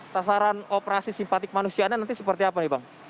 sasaran operasi simpatik manusianya nanti seperti apa nih bang